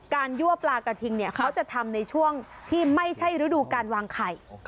ยั่วปลากระทิงเนี่ยเขาจะทำในช่วงที่ไม่ใช่ฤดูการวางไข่